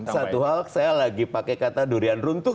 satu hal saya lagi pakai kata durian runtuh